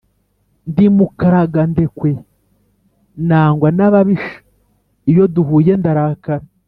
ndi mukaragandekwe nangwa n'ababisha iyo duhuye ndarakara!